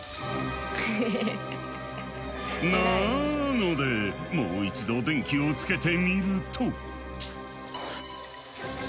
なのでもう一度電気をつけてみると。